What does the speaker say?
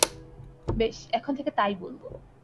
বেশ, এখন থেকে তাই বলব!